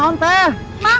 aduh ojeknya kemana